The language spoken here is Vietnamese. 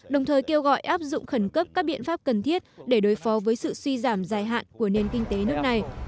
đồng thời kêu gọi áp dụng khẩn cấp các biện pháp cần thiết để đối phó với sự suy giảm dài hạn của nền kinh tế nước này